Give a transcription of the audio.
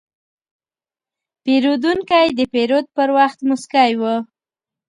پیرودونکی د پیرود پر وخت موسکی و.